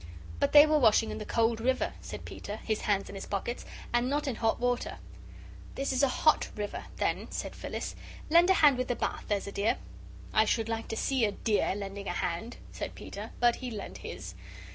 "But they were washing in the cold river," said Peter, his hands in his pockets, "not in hot water." "This is a HOT river, then," said Phyllis; "lend a hand with the bath, there's a dear." "I should like to see a deer lending a hand," said Peter, but he lent his.